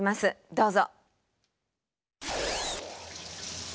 どうぞ。